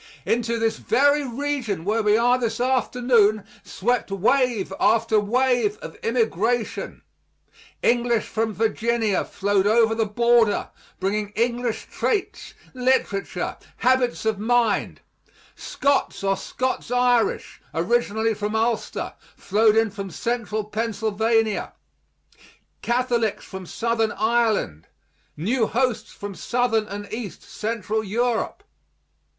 Into this very region where we are this afternoon, swept wave after wave of immigration; English from Virginia flowed over the border, bringing English traits, literature, habits of mind; Scots, or Scots Irish, originally from Ulster, flowed in from Central Pennsylvania; Catholics from Southern Ireland; new hosts from Southern and East Central Europe.